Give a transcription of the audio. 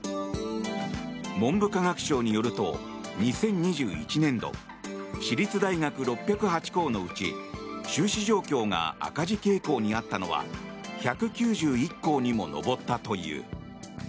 文部科学省によると２０２１年度私立大学６０８校のうち収支状況が赤字傾向にあったのは１９１校にも上ったという。